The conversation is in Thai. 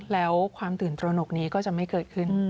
แล้วความตื่นตระหนกนี้ก็จะไม่เกิดขึ้น